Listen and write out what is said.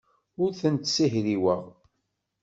Ur tent-ssihriweɣ.